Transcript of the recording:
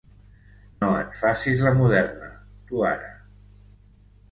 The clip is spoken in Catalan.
No et facis la moderna, tu ara.